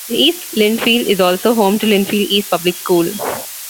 East Lindfield is also home to Lindfield East Public School.